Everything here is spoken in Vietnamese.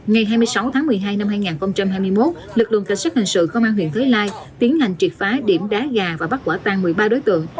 ngày hai mươi sáu tháng một mươi hai năm hai nghìn hai mươi một lực lượng cảnh sát hình sự công an huyện thới lai tiến hành triệt phá điểm đá gà và bắt quả tan một mươi ba đối tượng